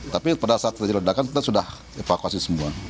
tapi pada saat terjadi ledakan kita sudah evakuasi semua